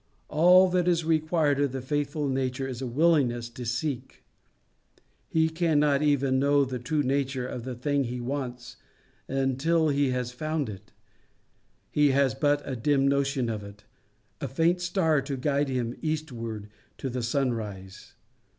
All that is required of the faithful nature is a willingness to seek. He cannot even know the true nature of the thing he wants until he has found it; he has but a dim notion of it, a faint star to guide him eastward to the sunrise.